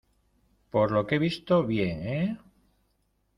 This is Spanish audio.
por lo que he visto bien, ¿ eh?